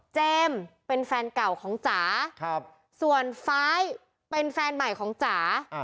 เป็นแฟนเก่าของจ๋าส่วนฟ้ายเป็นแฟนใหม่ของจ๋า